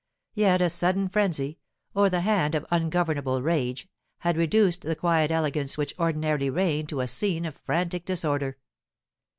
Yet a sudden frenzy, or the hand of ungovernable rage, had reduced the quiet elegance which ordinarily reigned to a scene of frantic disorder.